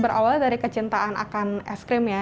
berawal dari kecintaan akan es krim ya